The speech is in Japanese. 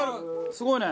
すごいね。